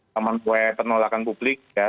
memangkuai penolakan publik